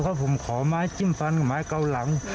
เพราะผมขอไม้จิ้มฟันไม้เก่าหลัง